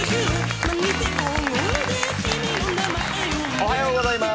おはようございます。